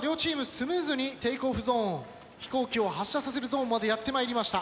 スムーズにテイクオフゾーン飛行機を発射させるゾーンまでやって参りました。